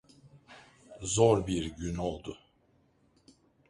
Zor bir gün oldu.